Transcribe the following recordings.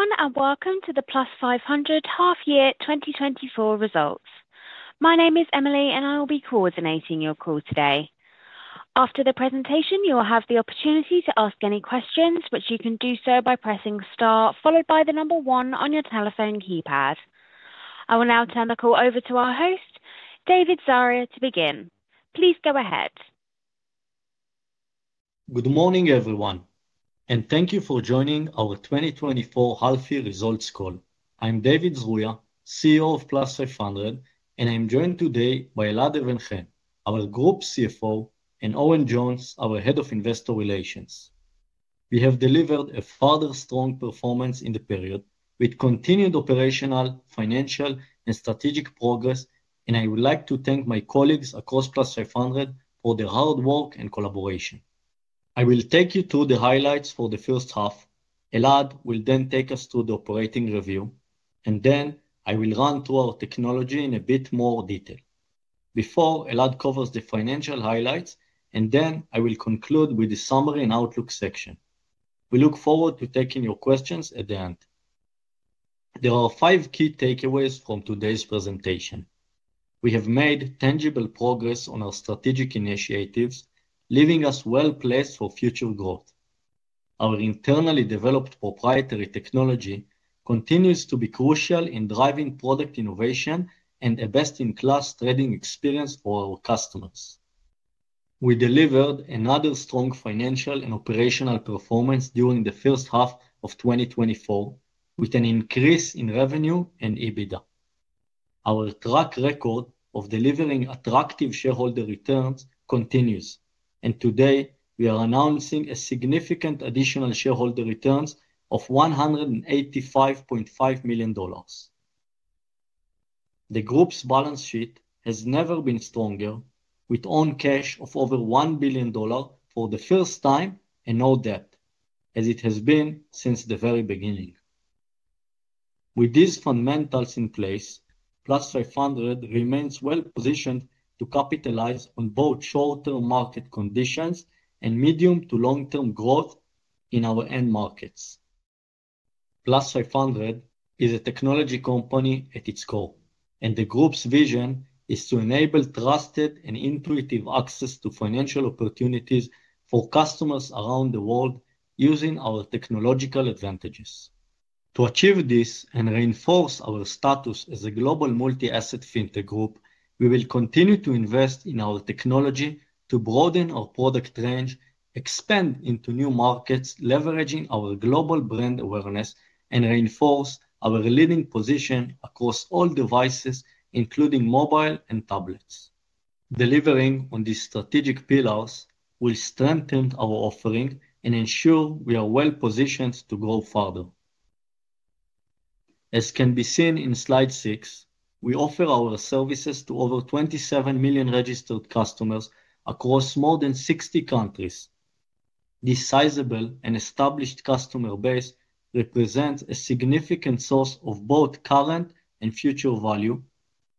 Hello, everyone, and welcome to the Plus500 half-year 2024 results. My name is Emily, and I will be coordinating your call today. After the presentation, you will have the opportunity to ask any questions, which you can do so by pressing Star, followed by the number one on your telephone keypad. I will now turn the call over to our host, David Zruia, to begin. Please go ahead. Good morning, everyone, and thank you for joining our 2024 half year results call. I'm David Zruia, CEO of Plus500, and I'm joined today by Elad Even-Chen, our Group CFO, and Owen Jones, our Head of Investor Relations. We have delivered a further strong performance in the period, with continued operational, financial and strategic progress, and I would like to thank my colleagues across Plus500 for their hard work and collaboration. I will take you through the highlights for the first half. Elad will then take us through the operating review, and then I will run through our technology in a bit more detail. Before Elad covers the financial highlights, and then I will conclude with the summary and outlook section. We look forward to taking your questions at the end. There are five key takeaways from today's presentation. We have made tangible progress on our strategic initiatives, leaving us well-placed for future growth. Our internally developed proprietary technology continues to be crucial in driving product innovation and a best-in-class trading experience for our customers. We delivered another strong financial and operational performance during the first half of 2024, with an increase in revenue and EBITDA. Our track record of delivering attractive shareholder returns continues, and today we are announcing a significant additional shareholder returns of $185.5 million. The group's balance sheet has never been stronger, with own cash of over $1 billion for the first time and no debt, as it has been since the very beginning. With these fundamentals in place, Plus500 remains well positioned to capitalize on both short-term market conditions and medium to long-term growth in our end markets. Plus500 is a technology company at its core, and the group's vision is to enable trusted and intuitive access to financial opportunities for customers around the world using our technological advantages. To achieve this and reinforce our status as a global multi-asset fintech group, we will continue to invest in our technology to broaden our product range, expand into new markets, leveraging our global brand awareness, and reinforce our leading position across all devices, including mobile and tablets. Delivering on these strategic pillars will strengthen our offering and ensure we are well positioned to grow further. As can be seen in slide six, we offer our services to over 27 million registered customers across more than 60 countries. This sizable and established customer base represents a significant source of both current and future value,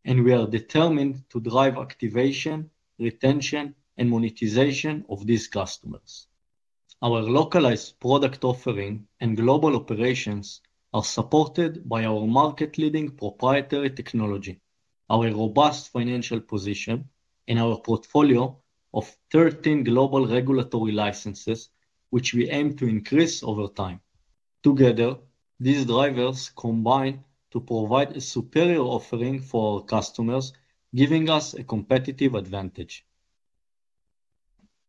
and we are determined to drive activation, retention, and monetization of these customers. Our localized product offering and global operations are supported by our market-leading proprietary technology, our robust financial position, and our portfolio of 13 global regulatory licenses, which we aim to increase over time. Together, these drivers combine to provide a superior offering for our customers, giving us a competitive advantage.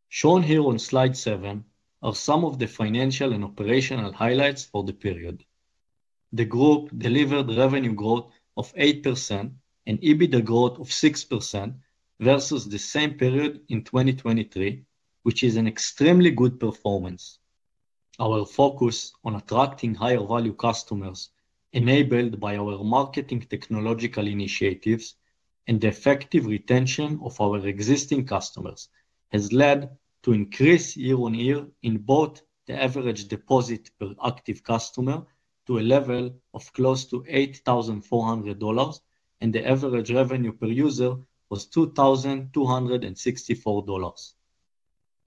Shown here on slide seven are some of the financial and operational highlights for the period. The group delivered revenue growth of 8% and EBITDA growth of 6% versus the same period in 2023, which is an extremely good performance. Our focus on attracting higher value customers, enabled by our marketing technological initiatives and the effective retention of our existing customers, has led to an increase year on year in both the average deposit per active customer to a level of close to $8,400, and the average revenue per user was $2,264.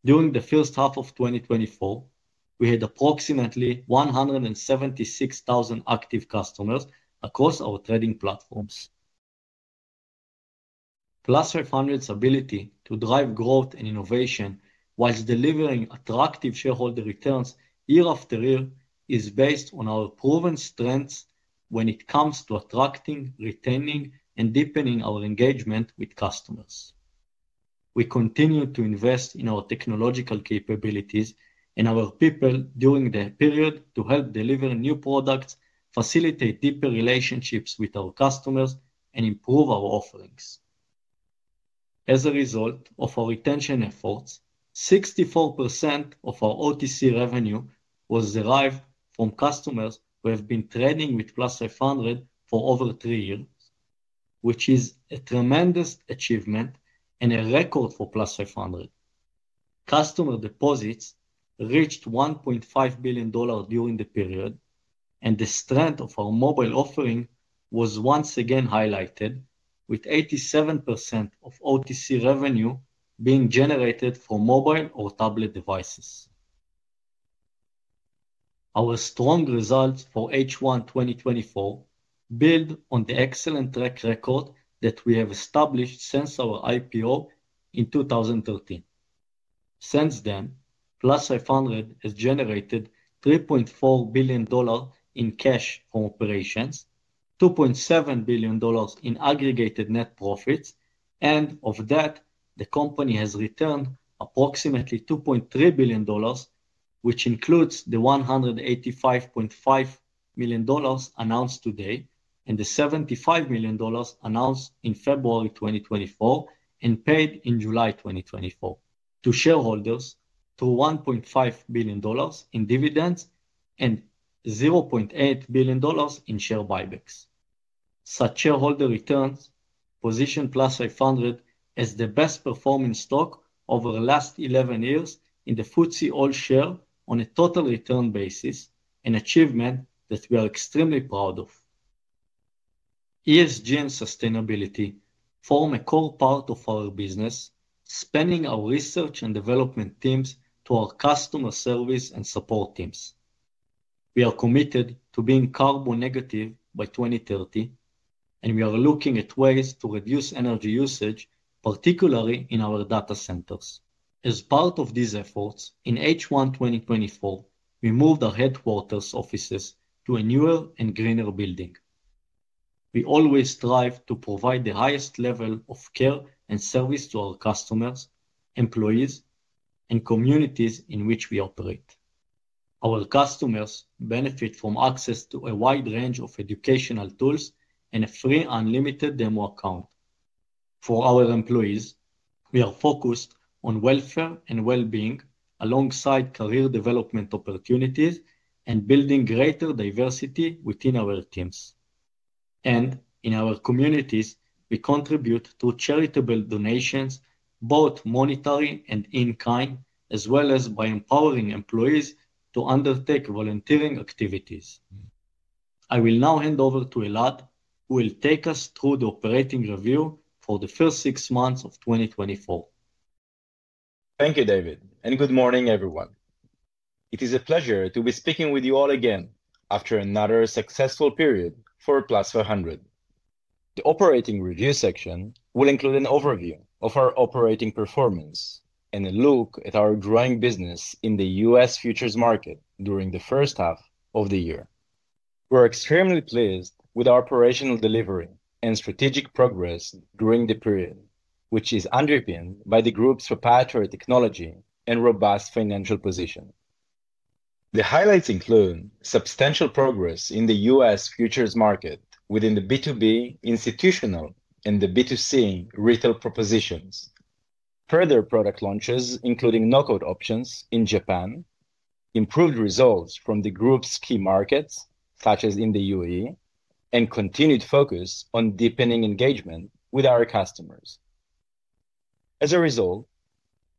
During the first half of 2024, we had approximately 176,000 active customers across our trading platforms. Plus500's ability to drive growth and innovation while delivering attractive shareholder returns year after year is based on our proven strengths when it comes to attracting, retaining and deepening our engagement with customers. We continue to invest in our technological capabilities and our people during the period to help deliver new products, facilitate deeper relationships with our customers, and improve our offerings. As a result of our retention efforts, 64% of our OTC revenue was derived from customers who have been trading with Plus500 for over three years, which is a tremendous achievement and a record for Plus500. Customer deposits reached $1.5 billion during the period, and the strength of our mobile offering was once again highlighted... with 87% of OTC revenue being generated from mobile or tablet devices. Our strong results for H1 2024 build on the excellent track record that we have established since our IPO in 2013. Since then, Plus500 has generated $3.4 billion in cash from operations, $2.7 billion in aggregated net profits, and of that, the company has returned approximately $2.3 billion, which includes the $185.5 million announced today, and the $75 million announced in February 2024, and paid in July 2024 to shareholders, to $1.5 billion in dividends and $0.8 billion in share buybacks. Such shareholder returns position Plus500 as the best-performing stock over the last 11 years in the FTSE All-Share on a total return basis, an achievement that we are extremely proud of. ESG and sustainability form a core part of our business, spanning our research and development teams to our customer service and support teams. We are committed to being carbon negative by 2030, and we are looking at ways to reduce energy usage, particularly in our data centers. As part of these efforts, in H1 2024, we moved our headquarters offices to a newer and greener building. We always strive to provide the highest level of care and service to our customers, employees, and communities in which we operate. Our customers benefit from access to a wide range of educational tools and a free, unlimited demo account. For our employees, we are focused on welfare and well-being, alongside career development opportunities and building greater diversity within our teams, and in our communities, we contribute to charitable donations, both monetary and in-kind, as well as by empowering employees to undertake volunteering activities. I will now hand over to Elad, who will take us through the operating review for the first six months of 2024. Thank you, David, and good morning, everyone. It is a pleasure to be speaking with you all again after another successful period for Plus500. The operating review section will include an overview of our operating performance and a look at our growing business in the U.S. futures market during the first half of the year. We're extremely pleased with our operational delivery and strategic progress during the period, which is underpinned by the group's proprietary technology and robust financial position. The highlights include substantial progress in the U.S. futures market within the B2B institutional and the B2C retail propositions. Further product launches, including Knock-Out Options in Japan, improved results from the group's key markets, such as in the UAE, and continued focus on deepening engagement with our customers. As a result,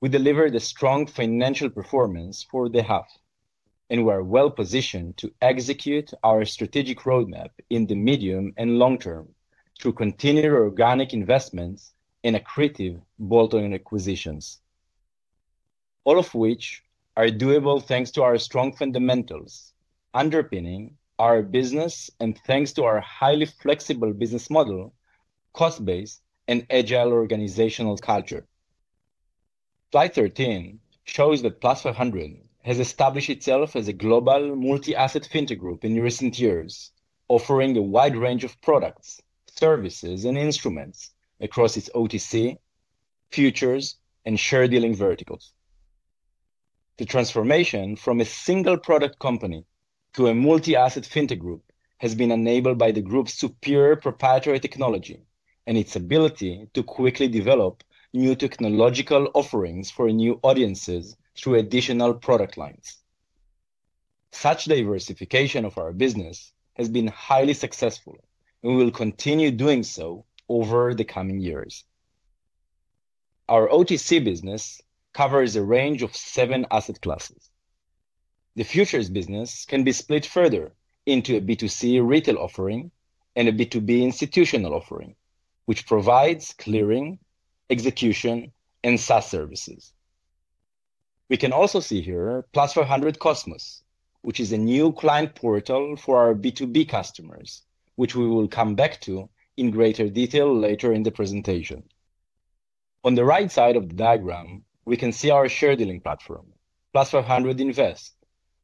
we delivered a strong financial performance for the half, and we are well-positioned to execute our strategic roadmap in the medium and long term through continued organic investments in accretive bolt-on acquisitions. All of which are doable, thanks to our strong fundamentals underpinning our business and thanks to our highly flexible business model, cost base, and agile organizational culture. Slide 13 shows that Plus500 has established itself as a global multi-asset fintech group in recent years, offering a wide range of products, services, and instruments across its OTC, futures, and share dealing verticals. The transformation from a single-product company to a multi-asset fintech group has been enabled by the group's superior proprietary technology and its ability to quickly develop new technological offerings for new audiences through additional product lines. Such diversification of our business has been highly successful and will continue doing so over the coming years. Our OTC business covers a range of seven asset classes. The futures business can be split further into a B2C retail offering and a B2B institutional offering, which provides clearing, execution, and SaaS services. We can also see here Plus500 Cosmos, which is a new client portal for our B2B customers, which we will come back to in greater detail later in the presentation. On the right side of the diagram, we can see our share dealing platform, Plus500 Invest,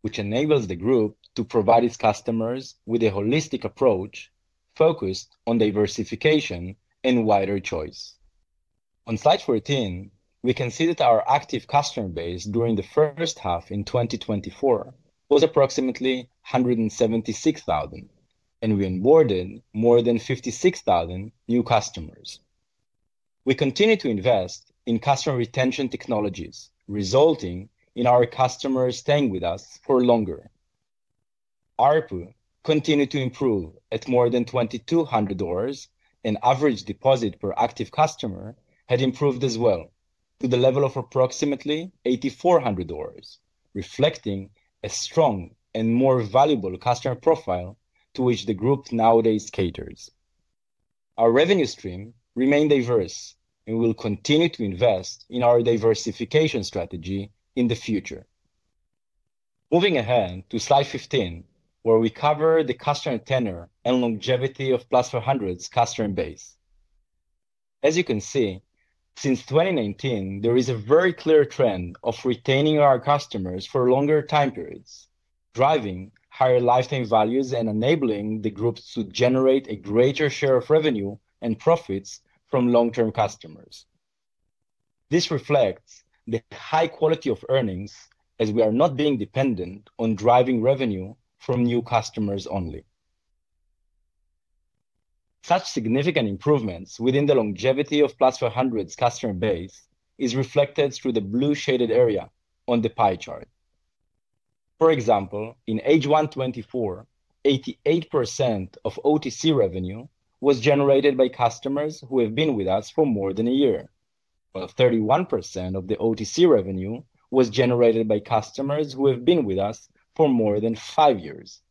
which enables the group to provide its customers with a holistic approach focused on diversification and wider choice. On slide 14, we can see that our active customer base during the first half in 2024 was approximately 176,000, and we onboarded more than 56,000 new customers. We continue to invest in customer retention technologies, resulting in our customers staying with us for longer. ARPU continued to improve at more than $2,200, and average deposit per active customer had improved as well to the level of approximately $8,400, reflecting a strong and more valuable customer profile to which the group nowadays caters. Our revenue stream remain diverse, and we will continue to invest in our diversification strategy in the future. Moving ahead to slide 15, where we cover the customer tenure and longevity of Plus500's customer base. As you can see, since 2019, there is a very clear trend of retaining our customers for longer time periods, driving higher lifetime values and enabling the groups to generate a greater share of revenue and profits from long-term customers. This reflects the high quality of earnings, as we are not being dependent on driving revenue from new customers only. Such significant improvements within the longevity of Plus500's customer base is reflected through the blue shaded area on the pie chart. For example, in H1 2024, 88% of OTC revenue was generated by customers who have been with us for more than a year, while 31% of the OTC revenue was generated by customers who have been with us for more than five years.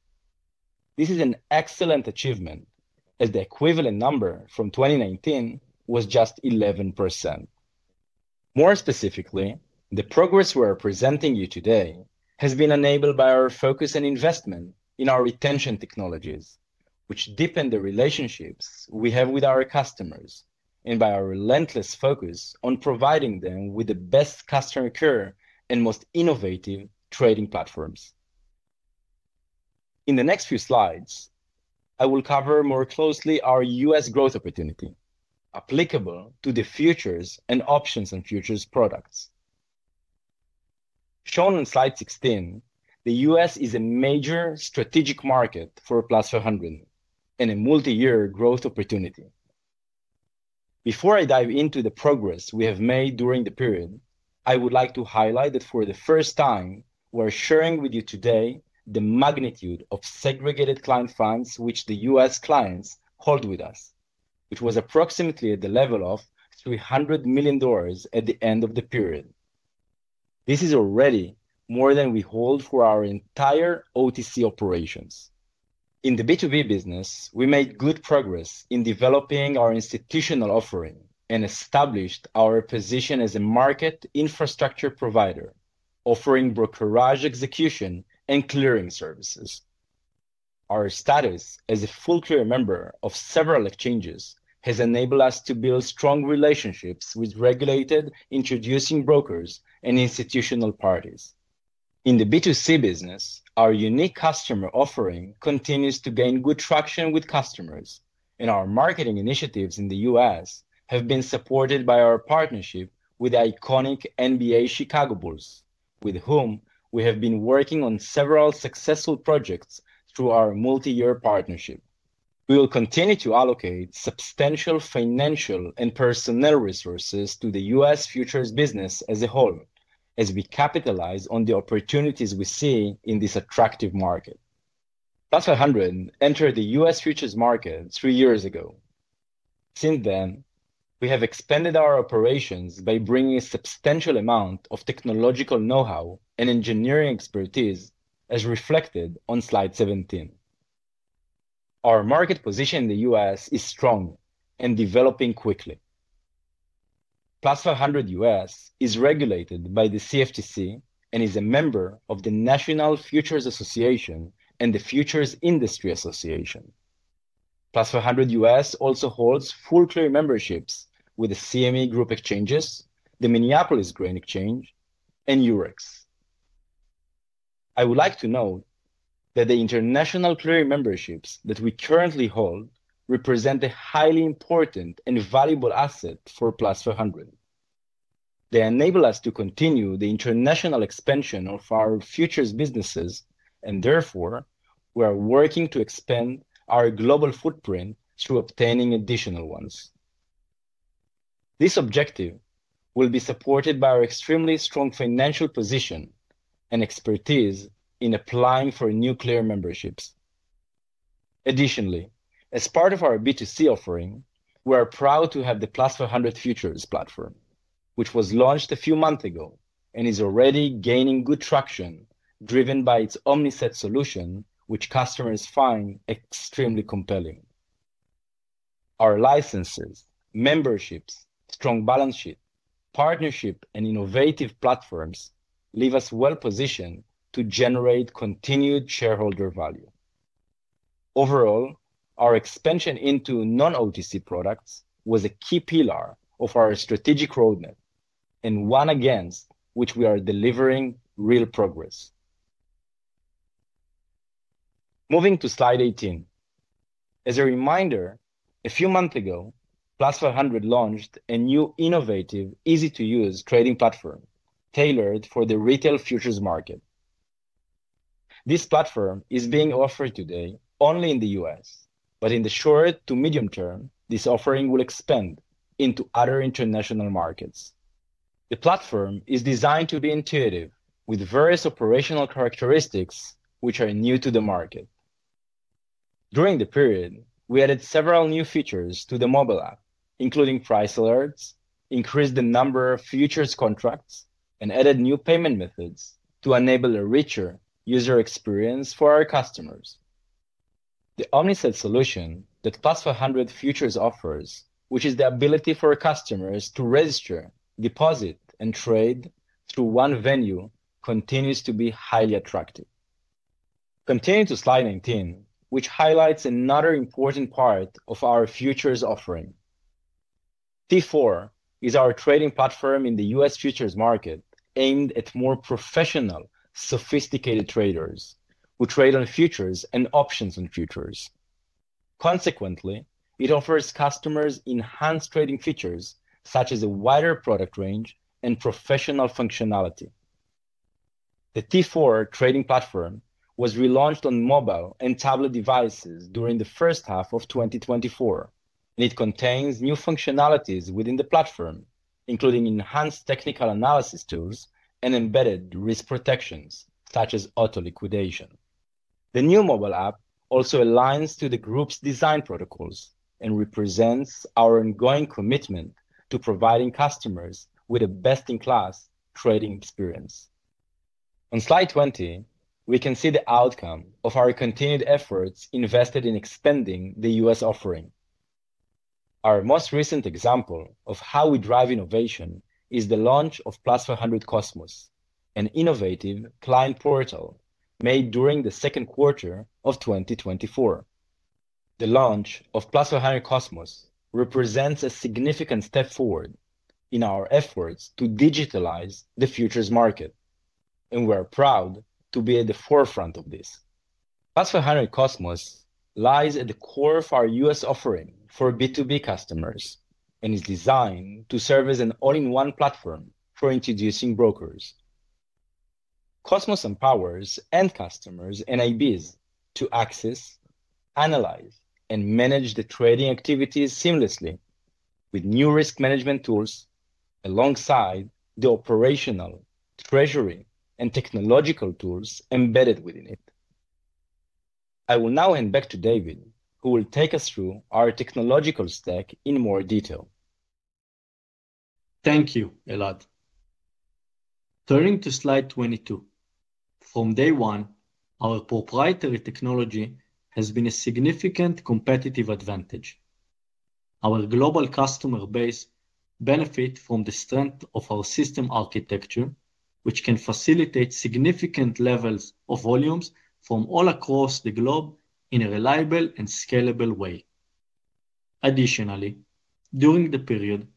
This is an excellent achievement, as the equivalent number from 2019 was just 11%. More specifically, the progress we're presenting you today has been enabled by our focus and investment in our retention technologies, which deepen the relationships we have with our customers, and by our relentless focus on providing them with the best customer care and most innovative trading platforms. In the next few slides, I will cover more closely our U.S. growth opportunity, applicable to the futures and options and futures products. Shown on slide 16, the U.S. is a major strategic market for Plus500 and a multi-year growth opportunity. Before I dive into the progress we have made during the period, I would like to highlight that for the first time, we're sharing with you today the magnitude of segregated client funds, which the U.S. clients hold with us. It was approximately at the level of $300 million at the end of the period. This is already more than we hold for our entire OTC operations. In the B2B business, we made good progress in developing our institutional offering and established our position as a market infrastructure provider, offering brokerage execution and clearing services. Our status as a full clearing member of several exchanges has enabled us to build strong relationships with regulated introducing brokers and institutional parties. In the B2C business, our unique customer offering continues to gain good traction with customers, and our marketing initiatives in the U.S. have been supported by our partnership with the iconic NBA Chicago Bulls, with whom we have been working on several successful projects through our multi-year partnership. We will continue to allocate substantial financial and personnel resources to the U.S. futures business as a whole, as we capitalize on the opportunities we see in this attractive market. Plus500 entered the U.S. futures market three years ago. Since then, we have expanded our operations by bringing a substantial amount of technological know-how and engineering expertise, as reflected on slide 17. Our market position in the U.S. is strong and developing quickly. Plus500 US is regulated by the CFTC and is a member of the National Futures Association and the Futures Industry Association. Plus500 US also holds full clearing memberships with the CME Group exchanges, the Minneapolis Grain Exchange, and Eurex. I would like to note that the international clearing memberships that we currently hold represent a highly important and valuable asset for Plus500. They enable us to continue the international expansion of our futures businesses, and therefore, we are working to expand our global footprint through obtaining additional ones. This objective will be supported by our extremely strong financial position and expertise in applying for new clearing memberships. Additionally, as part of our B2C offering, we are proud to have the Plus500 Futures platform, which was launched a few months ago and is already gaining good traction, driven by its omniset solution, which customers find extremely compelling. Our licenses, memberships, strong balance sheet, partnership, and innovative platforms leave us well positioned to generate continued shareholder value. Overall, our expansion into non-OTC products was a key pillar of our strategic roadmap, and one against which we are delivering real progress. Moving to slide 18. As a reminder, a few months ago, Plus500 launched a new, innovative, easy-to-use trading platform tailored for the retail futures market. This platform is being offered today only in the U.S., but in the short to medium term, this offering will expand into other international markets. The platform is designed to be intuitive, with various operational characteristics which are new to the market.... During the period, we added several new features to the mobile app, including price alerts, increased the number of futures contracts, and added new payment methods to enable a richer user experience for our customers. The omnibus solution that Plus500 Futures offers, which is the ability for our customers to register, deposit, and trade through one venue, continues to be highly attractive. Continuing to Slide 19, which highlights another important part of our futures offering. T4 is our trading platform in the U.S. futures market, aimed at more professional, sophisticated traders who trade on futures and options on futures. Consequently, it offers customers enhanced trading features, such as a wider product range and professional functionality. The T4 trading platform was relaunched on mobile and tablet devices during the first half of 2024, and it contains new functionalities within the platform, including enhanced technical analysis tools and embedded risk protections, such as auto liquidation. The new mobile app also aligns to the group's design protocols and represents our ongoing commitment to providing customers with a best-in-class trading experience. On slide 20, we can see the outcome of our continued efforts invested in expanding the U.S. offering. Our most recent example of how we drive innovation is the launch of Plus500 Cosmos, an innovative client portal made during the second quarter of 2024. The launch of Plus500 Cosmos represents a significant step forward in our efforts to digitalize the futures market, and we're proud to be at the forefront of this. Plus500 Cosmos lies at the core of our U.S. offering for B2B customers and is designed to serve as an all-in-one platform for introducing brokers. Cosmos empowers end customers and IBs to access, analyze, and manage the trading activities seamlessly with new risk management tools alongside the operational, treasury, and technological tools embedded within it. I will now hand back to David, who will take us through our technological stack in more detail. Thank you, Elad. Turning to slide 22. From day one, our proprietary technology has been a significant competitive advantage. Our global customer base benefit from the strength of our system architecture, which can facilitate significant levels of volumes from all across the globe in a reliable and scalable way. Additionally, during the period,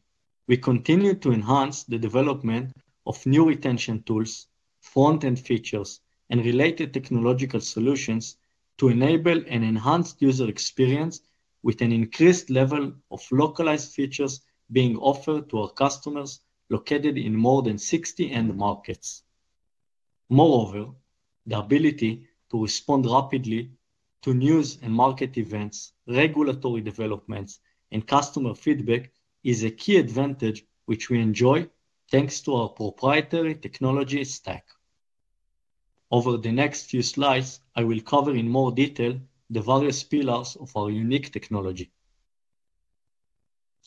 we continued to enhance the development of new retention tools, front-end features, and related technological solutions to enable an enhanced user experience with an increased level of localized features being offered to our customers located in more than 60 end markets. Moreover, the ability to respond rapidly to news and market events, regulatory developments, and customer feedback is a key advantage which we enjoy, thanks to our proprietary technology stack. Over the next few slides, I will cover in more detail the various pillars of our unique technology.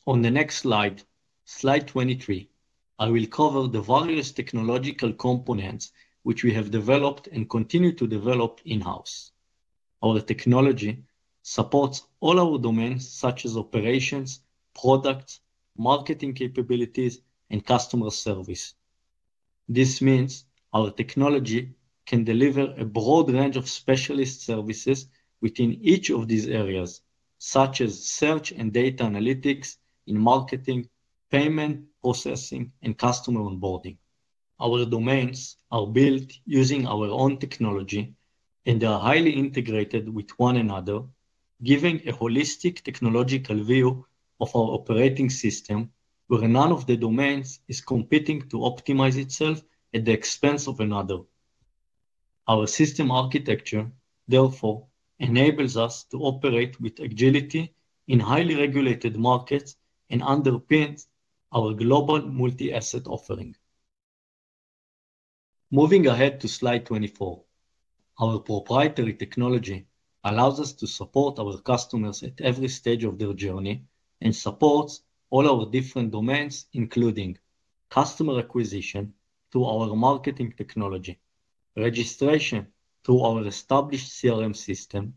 On the next slide, slide 23, I will cover the various technological components which we have developed and continue to develop in-house. Our technology supports all our domains, such as operations, products, marketing capabilities, and customer service. This means our technology can deliver a broad range of specialist services within each of these areas, such as search and data analytics in marketing, payment processing, and customer onboarding. Our domains are built using our own technology, and they are highly integrated with one another, giving a holistic technological view of our operating system, where none of the domains is competing to optimize itself at the expense of another. Our system architecture, therefore, enables us to operate with agility in highly regulated markets and underpins our global multi-asset offering. Moving ahead to slide 24. Our proprietary technology allows us to support our customers at every stage of their journey and supports all our different domains, including customer acquisition through our marketing technology, registration through our established CRM system,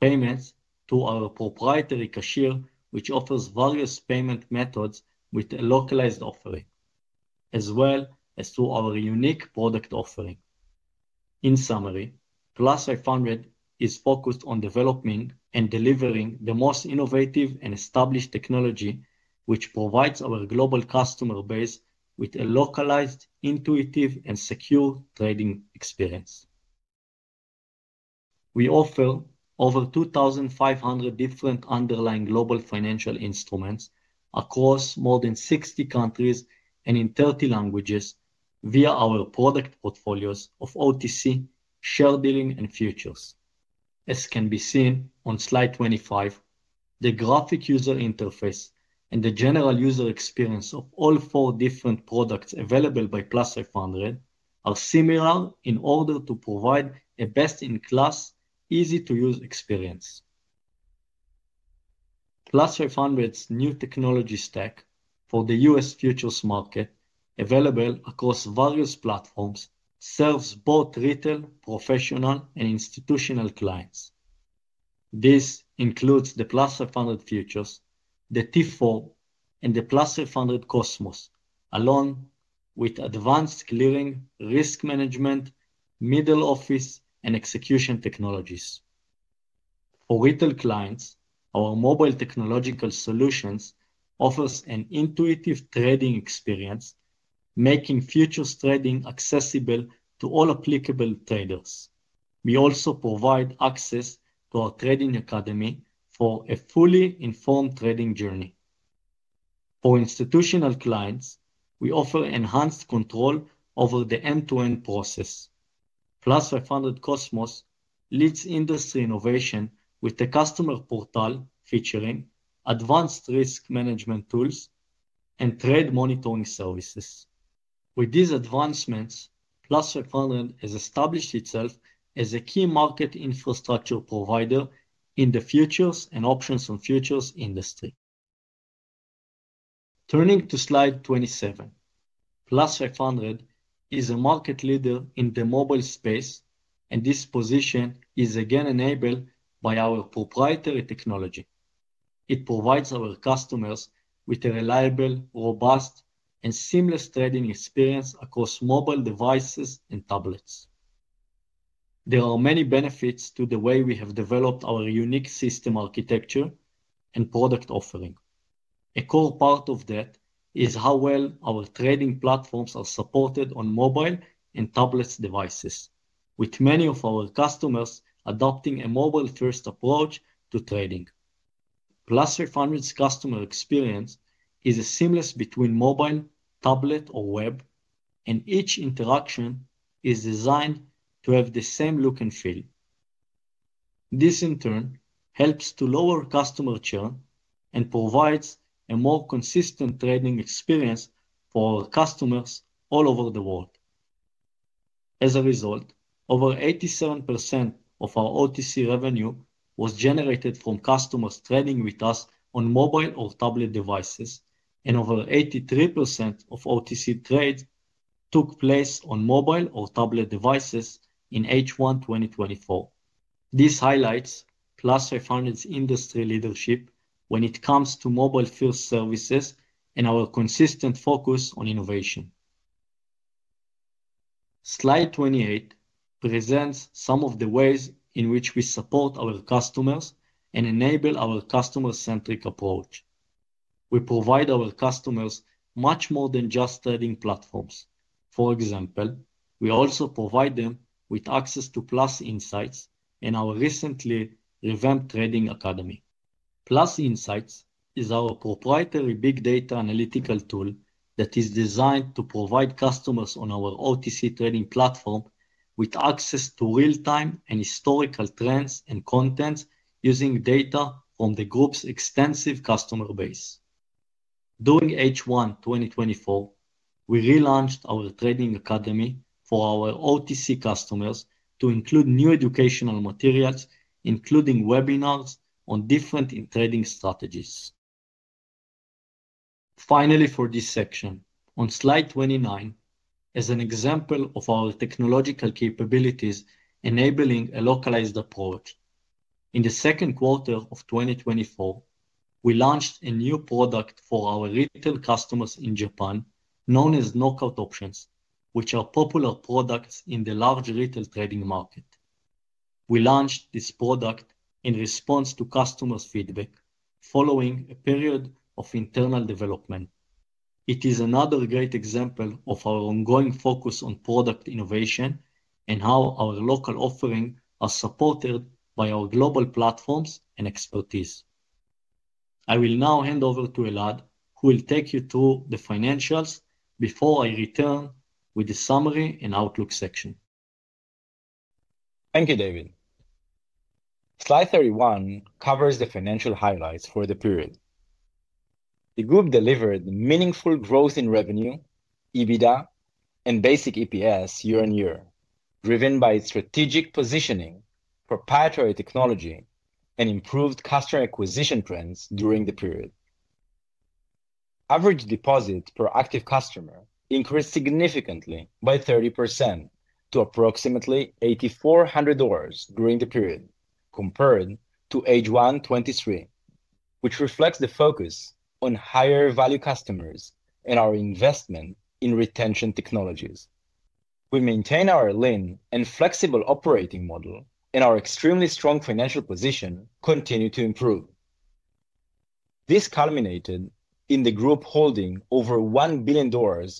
payments through our proprietary cashier, which offers various payment methods with a localized offering, as well as through our unique product offering. In summary, Plus500 is focused on developing and delivering the most innovative and established technology, which provides our global customer base with a localized, intuitive, and secure trading experience. We offer over 2,500 different underlying global financial instruments across more than 60 countries and in 30 languages via our product portfolios of OTC, share dealing, and futures, as can be seen on slide 25. The graphic user interface and the general user experience of all four different products available by Plus500 are similar in order to provide a best-in-class, easy-to-use experience. Plus500's new technology stack for the U.S. futures market, available across various platforms, serves both retail, professional, and institutional clients. This includes the Plus500 Futures, the T4, and the Plus500 Cosmos, along with advanced clearing, risk management, middle office, and execution technologies. For retail clients, our mobile technological solutions offers an intuitive trading experience, making futures trading accessible to all applicable traders. We also provide access to our trading academy for a fully informed trading journey. For institutional clients, we offer enhanced control over the end-to-end process. Plus500 Cosmos leads industry innovation with the customer portal, featuring advanced risk management tools and trade monitoring services. With these advancements, Plus500 has established itself as a key market infrastructure provider in the futures and options on futures industry. Turning to slide 27, Plus500 is a market leader in the mobile space, and this position is again enabled by our proprietary technology. It provides our customers with a reliable, robust, and seamless trading experience across mobile devices and tablets. There are many benefits to the way we have developed our unique system architecture and product offering. A core part of that is how well our trading platforms are supported on mobile and tablet devices, with many of our customers adopting a mobile-first approach to trading. Plus500's customer experience is a seamless between mobile, tablet, or web, and each interaction is designed to have the same look and feel. This, in turn, helps to lower customer churn and provides a more consistent trading experience for our customers all over the world. As a result, over 87% of our OTC revenue was generated from customers trading with us on mobile or tablet devices, and over 83% of OTC trades took place on mobile or tablet devices in H1, 2024. This highlights Plus500's industry leadership when it comes to mobile-first services and our consistent focus on innovation. Slide 28 presents some of the ways in which we support our customers and enable our customer-centric approach. We provide our customers much more than just trading platforms. For example, we also provide them with access to Plus Insights and our recently revamped trading academy. Plus Insights is our proprietary big data analytical tool that is designed to provide customers on our OTC trading platform with access to real-time and historical trends and contexts, using data from the group's extensive customer base. During H1, 2024, we relaunched our trading academy for our OTC customers to include new educational materials, including webinars on different trading strategies. Finally, for this section, on slide 29, as an example of our technological capabilities enabling a localized approach, in the second quarter of 2024, we launched a new product for our retail customers in Japan, known as Knock-Out Options, which are popular products in the large retail trading market. We launched this product in response to customers' feedback following a period of internal development. It is another great example of our ongoing focus on product innovation and how our local offerings are supported by our global platforms and expertise. I will now hand over to Elad, who will take you through the financials before I return with the summary and outlook section. Thank you, David. Slide 31 covers the financial highlights for the period. The group delivered meaningful growth in revenue, EBITDA, and basic EPS year on year, driven by its strategic positioning, proprietary technology, and improved customer acquisition trends during the period. Average deposit per active customer increased significantly by 30% to approximately $8,400 during the period, compared to H1 2023, which reflects the focus on higher-value customers and our investment in retention technologies. We maintain our lean and flexible operating model, and our extremely strong financial position continued to improve. This culminated in the group holding over $1 billion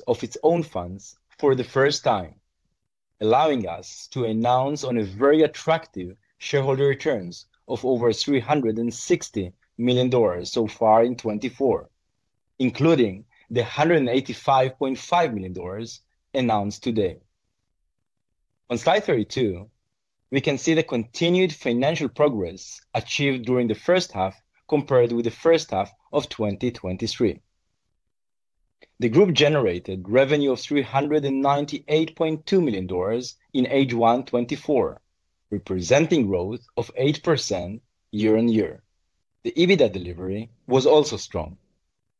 of its own funds for the first time, allowing us to announce on a very attractive shareholder returns of over $360 million so far in 2024, including the $185.5 million announced today. On slide 32, we can see the continued financial progress achieved during the first half compared with the first half of 2023. The group generated revenue of $398.2 million in H1 2024, representing growth of 8% year on year. The EBITDA delivery was also strong,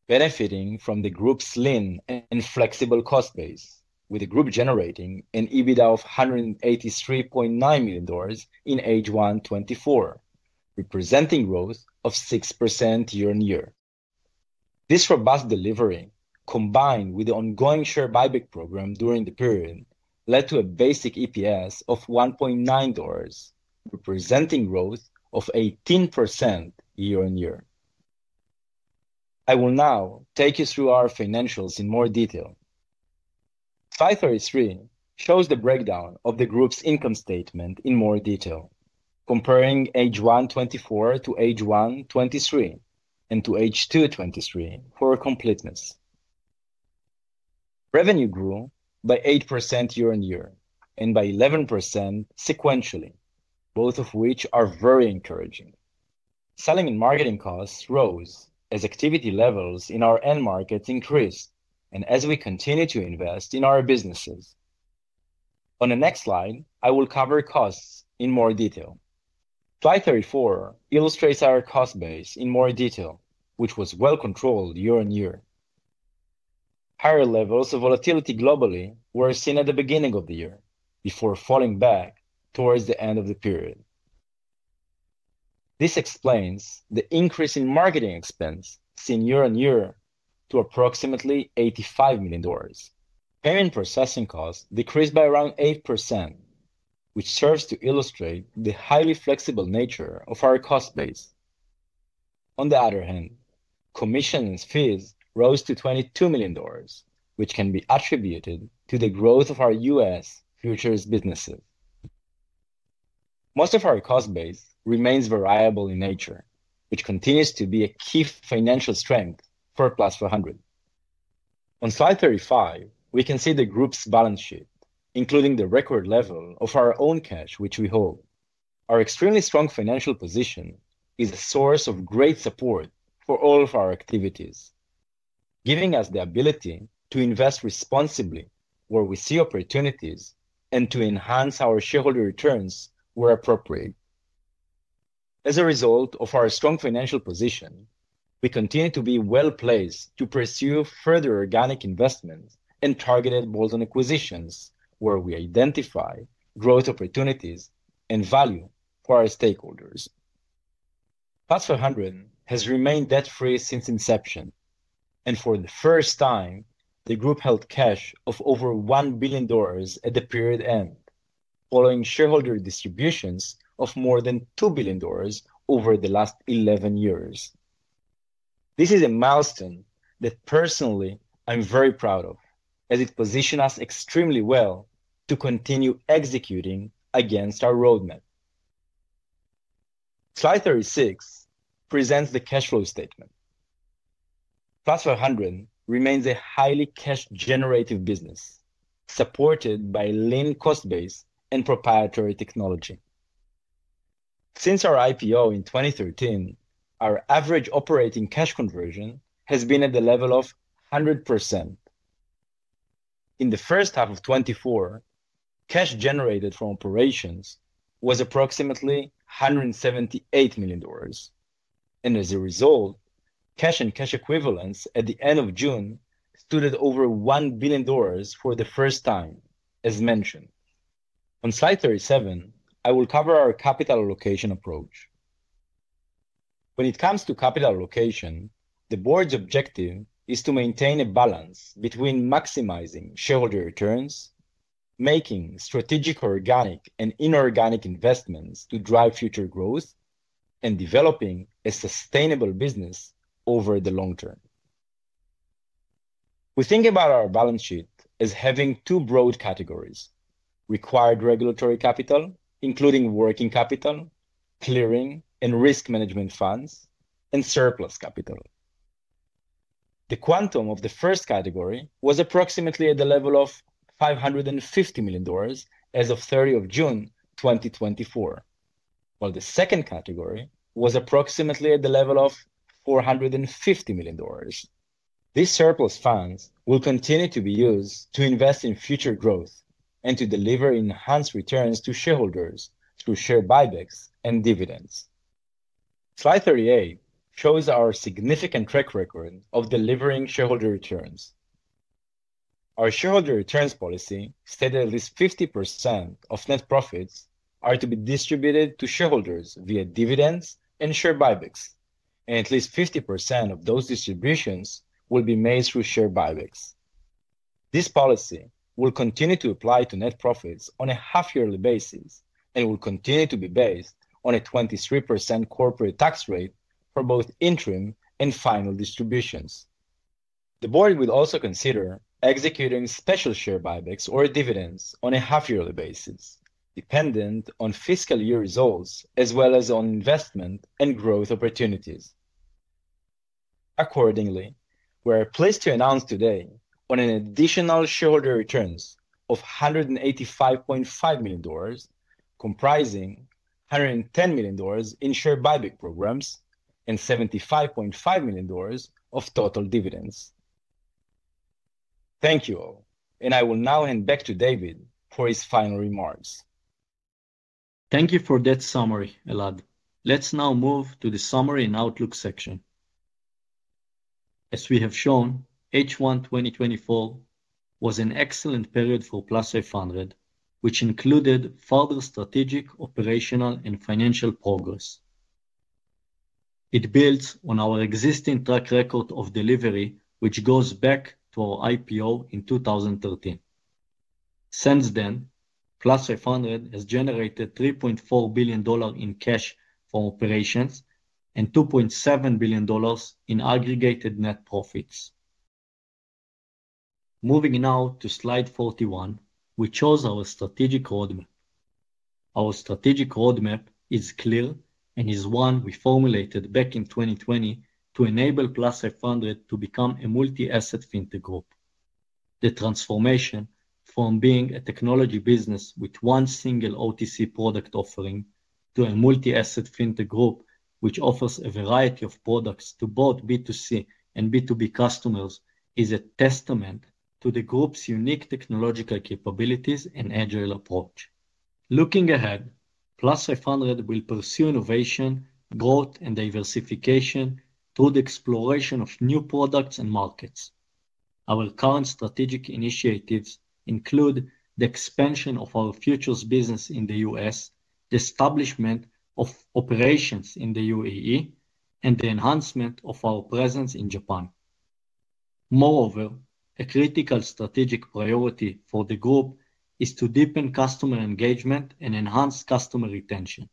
benefiting from the group's lean and flexible cost base, with the group generating an EBITDA of $183.9 million in H1 2024, representing growth of 6% year on year. This robust delivery, combined with the ongoing share buyback program during the period, led to a basic EPS of $1.9, representing growth of 18% year on year. I will now take you through our financials in more detail. Slide 33 shows the breakdown of the group's income statement in more detail, comparing H1 2024 to H1 2023 and to H2 2023 for completeness. Revenue grew by 8% year on year and by 11% sequentially, both of which are very encouraging. Selling and marketing costs rose as activity levels in our end markets increased, and as we continue to invest in our businesses. On the next slide, I will cover costs in more detail. Slide 34 illustrates our cost base in more detail, which was well controlled year on year. Higher levels of volatility globally were seen at the beginning of the year, before falling back towards the end of the period. This explains the increase in marketing expense seen year on year to approximately $85 million. Payment processing costs decreased by around 8%, which serves to illustrate the highly flexible nature of our cost base. On the other hand, commission fees rose to $22 million, which can be attributed to the growth of our U.S. futures businesses. Most of our cost base remains variable in nature, which continues to be a key financial strength for Plus500. On slide 35, we can see the group's balance sheet, including the record level of our own cash, which we hold. Our extremely strong financial position is a source of great support for all of our activities, giving us the ability to invest responsibly where we see opportunities and to enhance our shareholder returns where appropriate. As a result of our strong financial position, we continue to be well-placed to pursue further organic investments and targeted bolt-on acquisitions where we identify growth opportunities and value for our stakeholders. Plus500 has remained debt-free since inception, and for the first time, the group held cash of over $1 billion at the period end, following shareholder distributions of more than $2 billion over the last 11 years. This is a milestone that personally I'm very proud of, as it positions us extremely well to continue executing against our roadmap. Slide 36 presents the cash flow statement. Plus500 remains a highly cash-generative business, supported by lean cost base and proprietary technology. Since our IPO in 2013, our average operating cash conversion has been at the level of 100%. In the first half of 2024, cash generated from operations was approximately $178 million, and as a result, cash and cash equivalents at the end of June stood at over $1 billion for the first time, as mentioned. On slide 37, I will cover our capital allocation approach. When it comes to capital allocation, the board's objective is to maintain a balance between maximizing shareholder returns, making strategic, organic, and inorganic investments to drive future growth, and developing a sustainable business over the long term. We think about our balance sheet as having two broad categories: required regulatory capital, including working capital, clearing and risk management funds, and surplus capital. The quantum of the first category was approximately at the level of $550 million as of 30 June 2024, while the second category was approximately at the level of $450 million. These surplus funds will continue to be used to invest in future growth and to deliver enhanced returns to shareholders through share buybacks and dividends. Slide 38 shows our significant track record of delivering shareholder returns. Our shareholder returns policy states at least 50% of net profits are to be distributed to shareholders via dividends and share buybacks, and at least 50% of those distributions will be made through share buybacks. This policy will continue to apply to net profits on a half-yearly basis and will continue to be based on a 23% corporate tax rate for both interim and final distributions. The board will also consider executing special share buybacks or dividends on a half-yearly basis, dependent on fiscal year results, as well as on investment and growth opportunities. Accordingly, we are pleased to announce today an additional shareholder returns of $185.5 million, comprising $110 million in share buyback programs and $75.5 million of total dividends. Thank you all, and I will now hand back to David for his final remarks. Thank you for that summary, Elad. Let's now move to the summary and outlook section. As we have shown, H1, 2024 was an excellent period for Plus500, which included further strategic, operational, and financial progress. It builds on our existing track record of delivery, which goes back to our IPO in 2013. Since then, Plus500 has generated $3.4 billion in cash from operations and $2.7 billion in aggregated net profits. Moving now to slide 41, we chose our strategic roadmap. Our strategic roadmap is clear and is one we formulated back in 2020 to enable Plus500 to become a multi-asset fintech group. The transformation from being a technology business with one single OTC product offering to a multi-asset fintech group, which offers a variety of products to both B2C and B2B customers, is a testament to the group's unique technological capabilities and agile approach. Looking ahead, Plus500 will pursue innovation, growth, and diversification through the exploration of new products and markets. Our current strategic initiatives include the expansion of our futures business in the U.S., the establishment of operations in the UAE, and the enhancement of our presence in Japan. Moreover, a critical strategic priority for the group is to deepen customer engagement and enhance customer retention.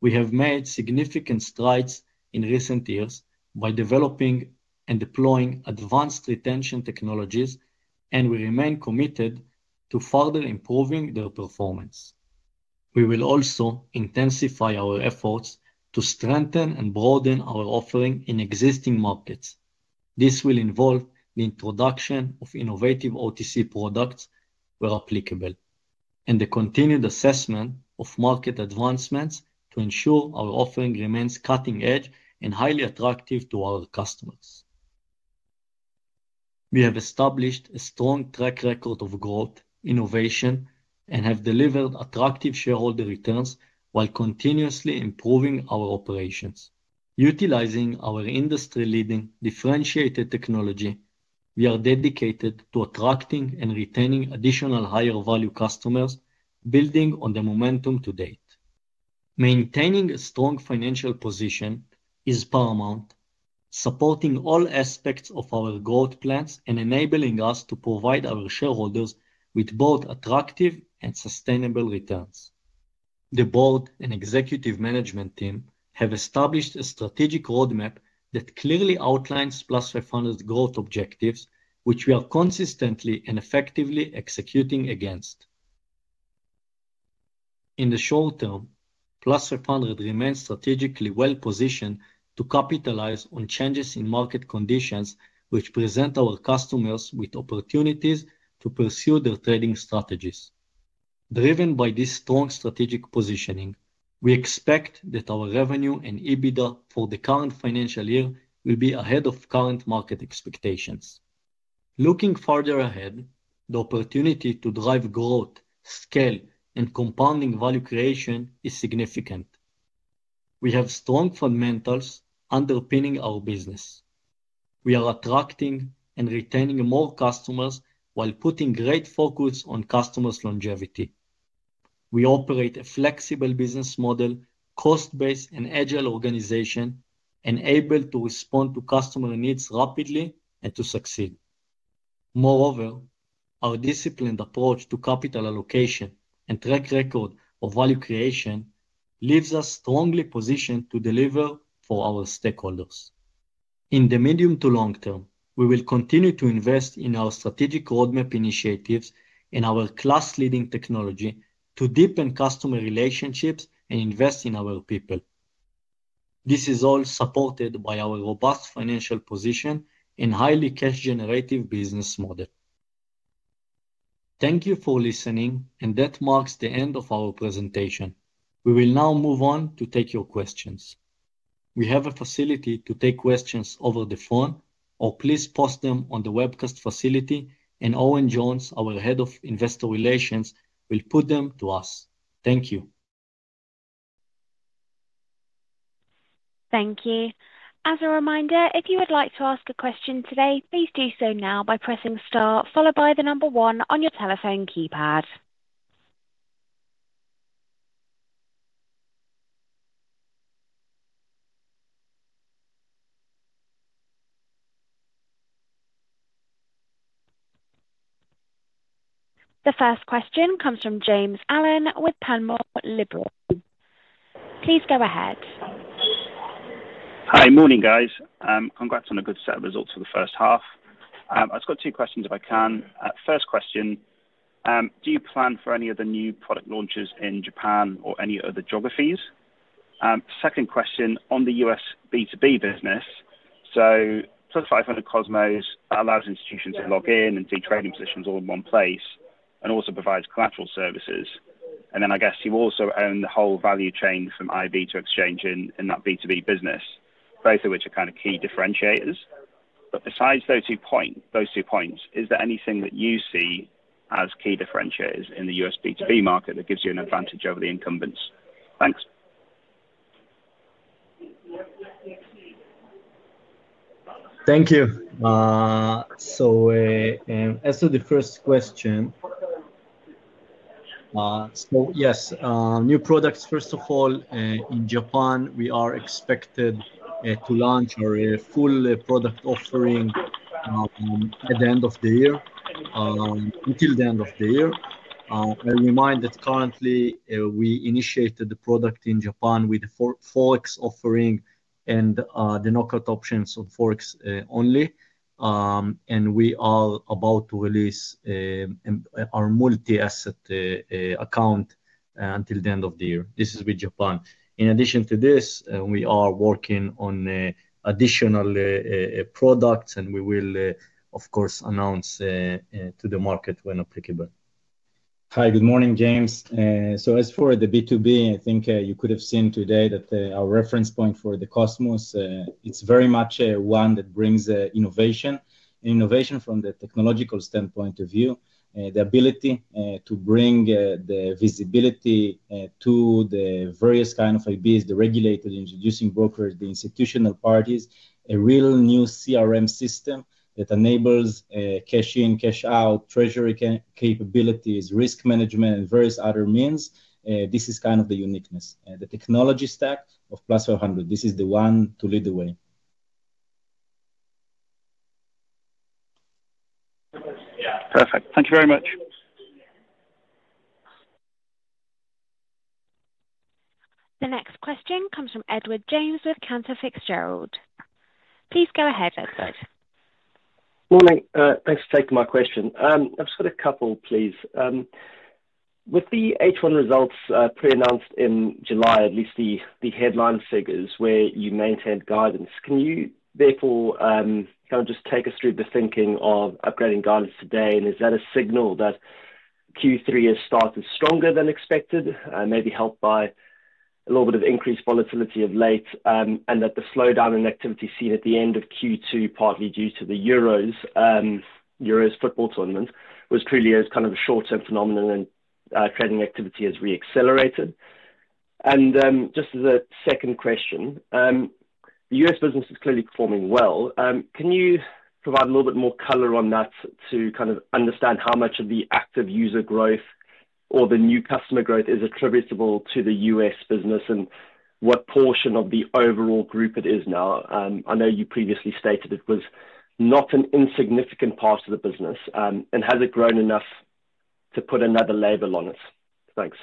We have made significant strides in recent years by developing and deploying advanced retention technologies, and we remain committed to further improving their performance. We will also intensify our efforts to strengthen and broaden our offering in existing markets. This will involve the introduction of innovative OTC products where applicable, and the continued assessment of market advancements to ensure our offering remains cutting-edge and highly attractive to our customers. We have established a strong track record of growth, innovation, and have delivered attractive shareholder returns while continuously improving our operations. Utilizing our industry-leading differentiated technology, we are dedicated to attracting and retaining additional higher-value customers, building on the momentum to date. Maintaining a strong financial position is paramount, supporting all aspects of our growth plans and enabling us to provide our shareholders with both attractive and sustainable returns. The board and executive management team have established a strategic roadmap that clearly outlines Plus500's growth objectives, which we are consistently and effectively executing against. In the short term, Plus500 remains strategically well-positioned to capitalize on changes in market conditions, which present our customers with opportunities to pursue their trading strategies. Driven by this strong strategic positioning, we expect that our revenue and EBITDA for the current financial year will be ahead of current market expectations. Looking farther ahead, the opportunity to drive growth, scale, and compounding value creation is significant. We have strong fundamentals underpinning our business. We are attracting and retaining more customers while putting great focus on customers' longevity. We operate a flexible business model, cost base, and agile organization, and able to respond to customer needs rapidly and to succeed. Moreover, our disciplined approach to capital allocation and track record of value creation leaves us strongly positioned to deliver for our stakeholders. In the medium to long term, we will continue to invest in our strategic roadmap initiatives and our class-leading technology to deepen customer relationships and invest in our people. This is all supported by our robust financial position and highly cash-generative business model. Thank you for listening, and that marks the end of our presentation. We will now move on to take your questions. We have a facility to take questions over the phone, or please post them on the webcast facility, and Owen Jones, our Head of Investor Relations, will put them to us. Thank you. Thank you. As a reminder, if you would like to ask a question today, please do so now by pressing star followed by the number one on your telephone keypad. The first question comes from James Allen with Panmure Liberum. Please go ahead. Hi. Morning, guys. Congrats on a good set of results for the first half. I've got two questions, if I can. First question, do you plan for any other new product launches in Japan or any other geographies? Second question, on the U.S. B2B business, so Plus500 Cosmos allows institutions to log in and see trading positions all in one place, and also provides collateral services. And then, I guess you also own the whole value chain from IB to exchange in that B2B business, both of which are kind of key differentiators. But besides those two points, is there anything that you see as key differentiators in the U.S. B2B market that gives you an advantage over the incumbents? Thanks. Thank you. As to the first question, so yes, new products. First of all, in Japan, we are expected to launch our full product offering at the end of the year until the end of the year. I remind that currently we initiated the product in Japan with the Forex offering and the knock-out options on Forex only. And we are about to release our multi-asset account until the end of the year. This is with Japan. In addition to this, we are working on additional products, and we will of course announce to the market when applicable. Hi, good morning, James. So as for the B2B, I think you could have seen today that our reference point for the Cosmos, it's very much one that brings innovation. Innovation from the technological standpoint of view, the ability to bring the visibility to the various kind of IBs, the regulators, introducing brokers, the institutional parties, a real new CRM system that enables cash in, cash out, treasury capabilities, risk management, and various other means. This is kind of the uniqueness, the technology stack of Plus500. This is the one to lead the way. Perfect. Thank you very much. The next question comes from Edward James with Cantor Fitzgerald. Please go ahead, Edward. Morning. Thanks for taking my question. I've just got a couple, please. With the H1 results pre-announced in July, at least the headline figures where you maintained guidance, can you therefore kind of just take us through the thinking of upgrading guidance today? And is that a signal that Q3 has started stronger than expected, maybe helped by a little bit of increased volatility of late, and that the slowdown in activity seen at the end of Q2, partly due to the Euros football tournament, was truly as kind of a short-term phenomenon and trading activity has re-accelerated? And just as a second question, the U.S. business is clearly performing well. Can you provide a little bit more color on that to kind of understand how much of the active user growth or the new customer growth is attributable to the U.S. business, and what portion of the overall group it is now? I know you previously stated it was not an insignificant part of the business, and has it grown enough to put another label on it? Thanks.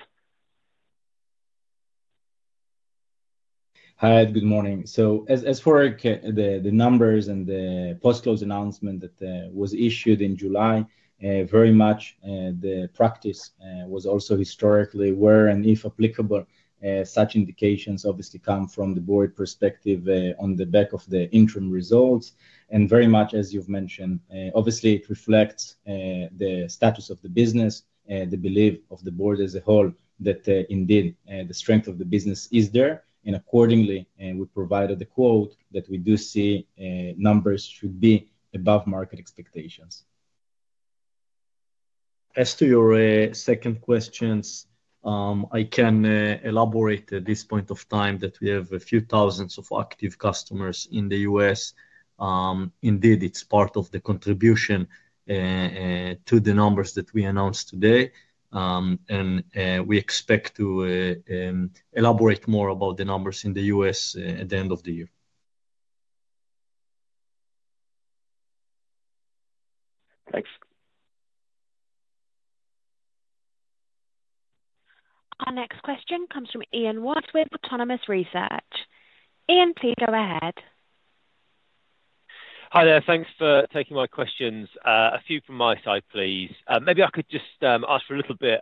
Hi, good morning. So as for the numbers and the post-close announcement that was issued in July, very much the practice was also historically where and if applicable, such indications obviously come from the board perspective, on the back of the interim results. And very much as you've mentioned, obviously, it reflects the status of the business, the belief of the board as a whole, that indeed the strength of the business is there. And accordingly, and we provided the quote, that we do see numbers should be above market expectations. As to your second questions, I can elaborate at this point of time that we have a few thousands of active customers in the U.S. Indeed, it's part of the contribution to the numbers that we announced today. We expect to elaborate more about the numbers in the U.S. at the end of the year. Thanks. Our next question comes from Ian Watts with Autonomous Research. Ian, please go ahead. Hi, there. Thanks for taking my questions. A few from my side, please. Maybe I could just ask for a little bit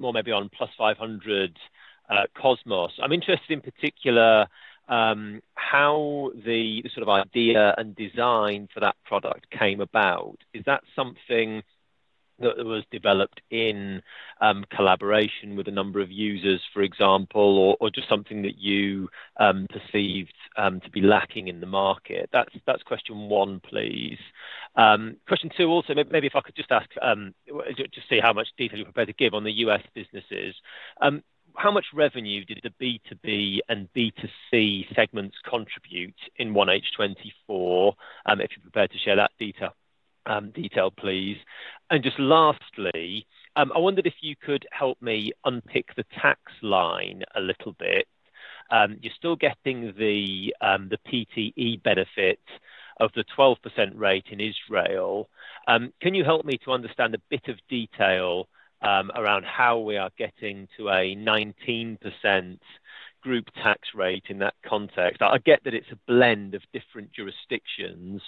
more on Plus500 Cosmos. I'm interested in particular how the sort of idea and design for that product came about. Is that something that was developed in collaboration with a number of users, for example, or just something that you perceived to be lacking in the market? That's question one, please. Question two also, maybe if I could just ask to see how much detail you're prepared to give on the U.S. businesses. How much revenue did the B2B and B2C segments contribute in 1H 2024? If you're prepared to share that detail, please. Just lastly, I wondered if you could help me unpick the tax line a little bit. You're still getting the PTE benefit of the 12% rate in Israel. Can you help me to understand a bit of detail around how we are getting to a 19% group tax rate in that context? I get that it's a blend of different jurisdictions,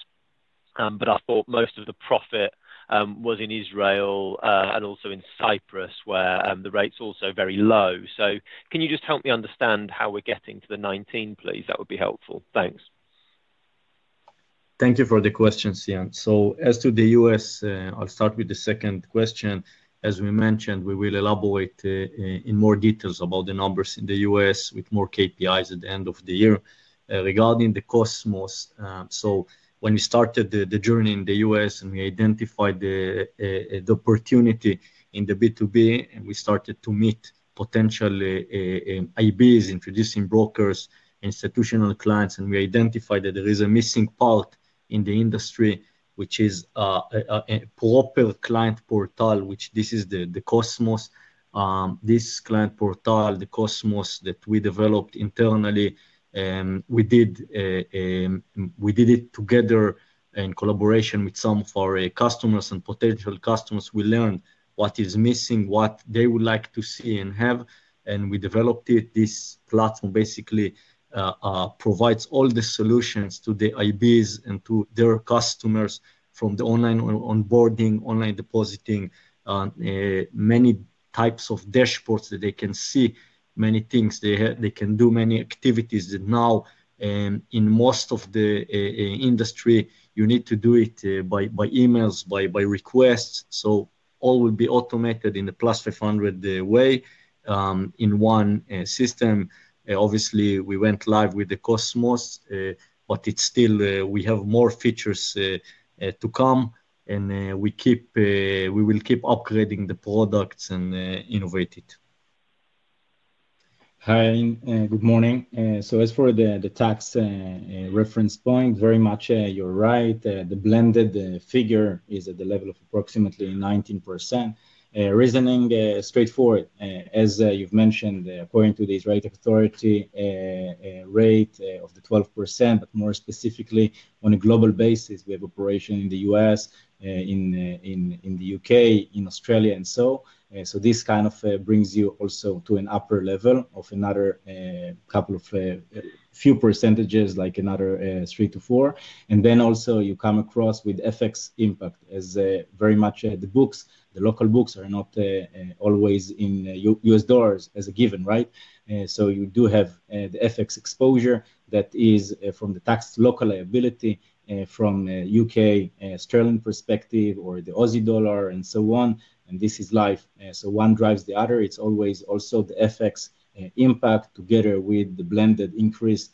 but I thought most of the profit was in Israel and also in Cyprus, where the rate's also very low. Can you just help me understand how we're getting to the 19, please? That would be helpful. Thanks. Thank you for the question, Ian. So as to the U.S., I'll start with the second question. As we mentioned, we will elaborate in more details about the numbers in the U.S. with more KPIs at the end of the year. Regarding the Cosmos, so when we started the journey in the U.S., and we identified the opportunity in the B2B, we started to meet potential IBs, introducing brokers, institutional clients, and we identified that there is a missing part in the industry, which is a proper client portal, which this is the Cosmos. This client portal, the Cosmos that we developed internally, we did it together in collaboration with some of our customers and potential customers. We learned what is missing, what they would like to see and have, and we developed it. This platform basically provides all the solutions to the IBs and to their customers from the online onboarding, online depositing, many types of dashboards that they can see, many things they can do, many activities that now, in most of the industry, you need to do it by emails, by requests. So all will be automated in the Plus500 way, in one system. Obviously, we went live with the Cosmos, but it's still, we have more features to come, and we will keep upgrading the products and innovate it. Hi, and good morning. So as for the tax reference point, very much, you're right. The blended figure is at the level of approximately 19%. Reasoning straightforward, as you've mentioned, according to the Israeli Authority rate of the 12%, but more specifically, on a global basis, we have operation in the U.S., in the U.K., in Australia, and so. So this kind of brings you also to an upper level of another couple of few percentages, like another 3%-4%. And then also you come across with FX impact as very much the books, the local books are not always in U.S. dollars as a given, right? So you do have the FX exposure that is from the tax local liability, from a U.K. sterling perspective or the Aussie dollar, and so on. This is life, so one drives the other. It's always also the FX impact together with the blended increase,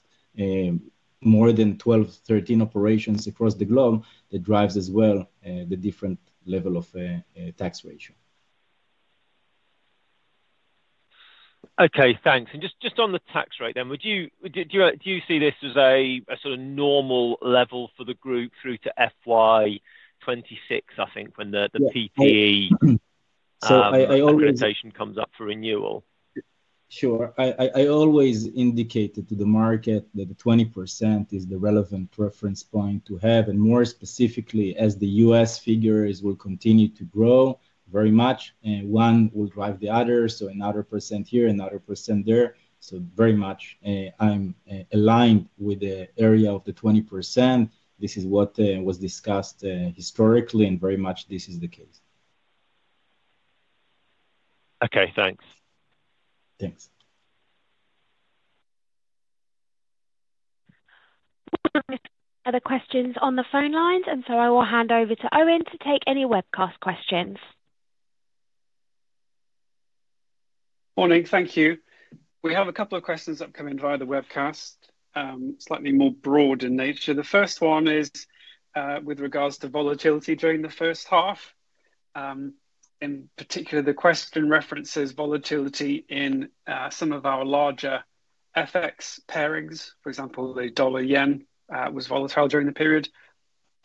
more than 12, 13 operations across the globe, that drives as well the different level of tax rate. Okay, thanks. And just on the tax rate then, would you... Do you see this as a sort of normal level for the group through to FY 2026, I think, when the PTE- IIA. Authorization comes up for renewal? Sure. I always indicated to the market that the 20% is the relevant reference point to have, and more specifically, as the U.S. figures will continue to grow very much, one will drive the other, so another percent here, another percent there, so very much, I'm aligned with the area of the 20%. This is what was discussed historically, and very much this is the case. Okay, thanks. Thanks. Other questions on the phone lines, and so I will hand over to Owen to take any webcast questions. Morning. Thank you. We have a couple of questions that come in via the webcast, slightly more broad in nature. The first one is, with regards to volatility during the first half. In particular, the question references volatility in, some of our larger FX pairings. For example, the dollar/yen, was volatile during the period.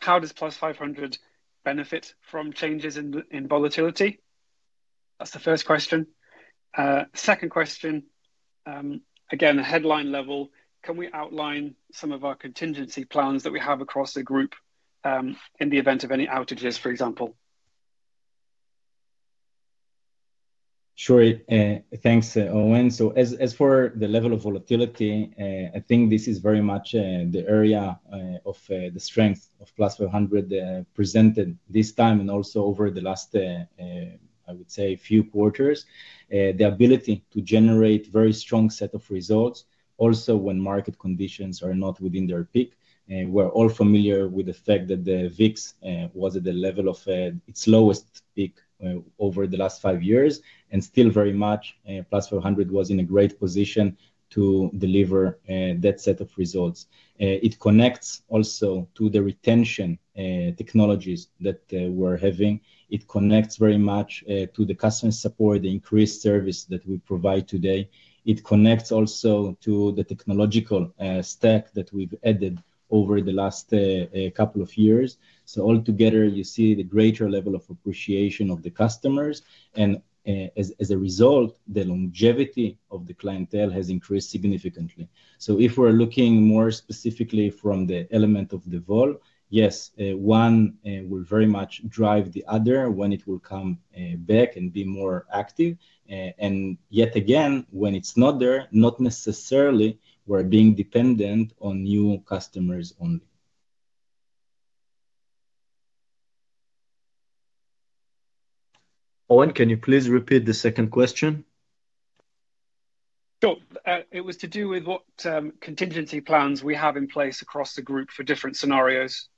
How does Plus500 benefit from changes in, in volatility? That's the first question. Second question, again, headline level, can we outline some of our contingency plans that we have across the group, in the event of any outages, for example? Sure, thanks, Owen. So as for the level of volatility, I think this is very much the area of the strength of Plus500, presented this time, and also over the last, I would say, few quarters. The ability to generate very strong set of results, also when market conditions are not within their peak. And we're all familiar with the fact that the VIX was at the level of its lowest peak over the last five years, and still very much Plus500 was in a great position to deliver that set of results. It connects also to the retention technologies that we're having. It connects very much to the customer support, the increased service that we provide today. It connects also to the technological stack that we've added over the last couple of years. So altogether, you see the greater level of appreciation of the customers, and as a result, the longevity of the clientele has increased significantly. So if we're looking more specifically from the element of the vol, yes, one will very much drive the other when it will come back and be more active. And yet again, when it's not there, not necessarily we're being dependent on new customers only. Owen, can you please repeat the second question? Sure. It was to do with what contingency plans we have in place across the group for different scenarios.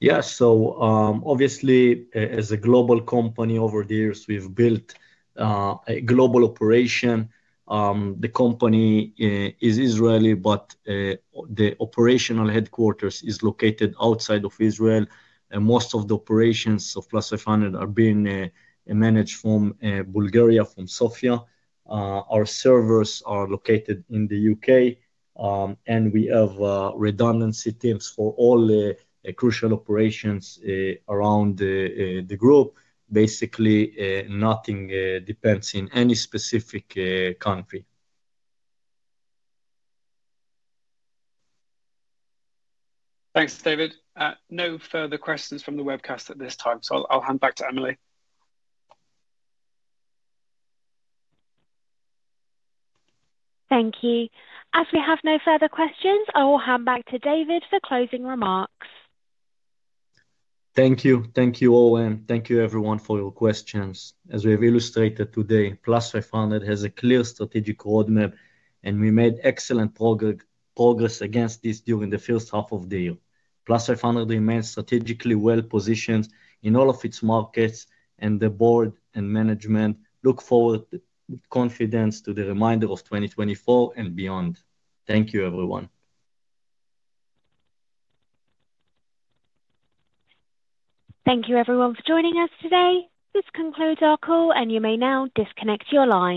Yes. So, obviously, as a global company, over the years, we've built a global operation. The company is Israeli, but the operational headquarters is located outside of Israel, and most of the operations of Plus500 are being managed from Bulgaria, from Sofia. Our servers are located in the U.K., and we have redundancy teams for all the crucial operations around the group. Basically, nothing depends in any specific country. Thanks, David. No further questions from the webcast at this time, so I'll hand back to Emily. Thank you. As we have no further questions, I will hand back to David for closing remarks. Thank you. Thank you, Owen. Thank you, everyone, for your questions. As we have illustrated today, Plus500 has a clear strategic roadmap, and we made excellent progress against this during the first half of the year. Plus500 remains strategically well positioned in all of its markets, and the board and management look forward with confidence to the remainder of 2024 and beyond. Thank you, everyone. Thank you, everyone, for joining us today. This concludes our call, and you may now disconnect your line.